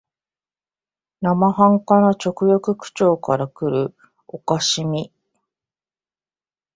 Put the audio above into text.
生半可な直訳口調からくる可笑しみ、